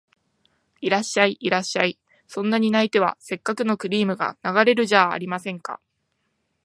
いらっしゃい、いらっしゃい、そんなに泣いては折角のクリームが流れるじゃありませんか